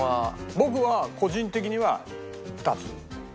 僕は個人的には２つ。